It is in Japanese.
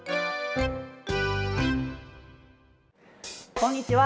こんにちは！